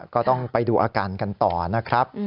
ก็ต้องไปดูอาการกันต่อนะครับ